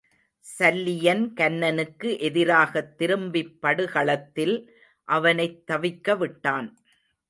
சல்லியன் கன்னனுக்கு எதிராகத் திரும்பிப் படுகளத்தில் அவனைத் தவிக்க விட்டான்.